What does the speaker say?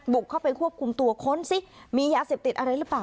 บุกเข้าไปควบคุมตัวค้นสิมียาเสพติดอะไรหรือเปล่า